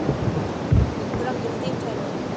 وڪرم جلدي اٺي ٿو.